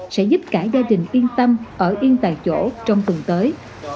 sẽ giúp cả gia đình yên tâm ở yên tại chỗ trong tuần tới